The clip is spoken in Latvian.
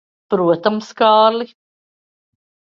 Protams, Kārli.